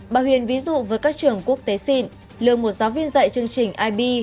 bà huyền ví dụ với các trường quốc tế xịn lương một giáo viên dạy chương trình ib